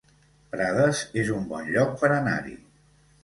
Prades es un bon lloc per anar-hi